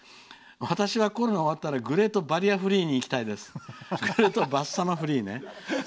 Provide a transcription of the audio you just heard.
私はコロナが終わったらグレートバリアフリーに行きたいです」。